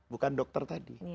bukan dokter tadi